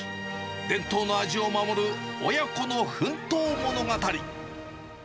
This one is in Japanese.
伝統の味を守る親子の奮闘物語。